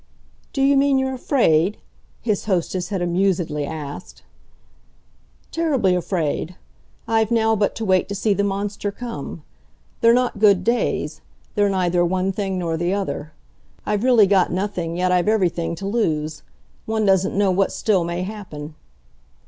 "Do you mean you're afraid?" his hostess had amusedly asked. "Terribly afraid. I've now but to wait to see the monster come. They're not good days; they're neither one thing nor the other. I've really got nothing, yet I've everything to lose. One doesn't know what still may happen."